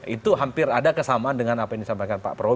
itu hampir ada kesamaan dengan apa yang disampaikan pak prabowo